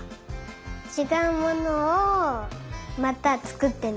ちがうものをまたつくってみたい。